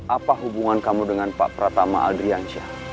apa hubungan kamu dengan pak pratama adriansyah